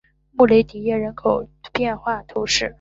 穆雷迪耶人口变化图示